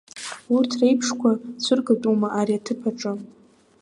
Урҭ реиԥшқәа цәыргатәума ари аҭыԥ аҿы.